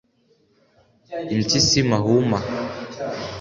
• impyisi mahuma.